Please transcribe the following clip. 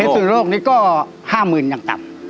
พิศนุโรคนี่ก็๕๐๐๐๐อย่างต่ำ